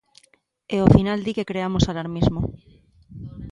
E ao final di que creamos alarmismo.